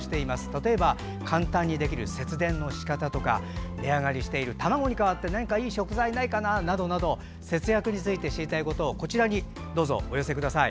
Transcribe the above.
例えば簡単にできる節電のしかたとか値上がりしている卵に代わって何かいい食材はないかなど節約について知りたいことをこちらにどうぞお寄せください。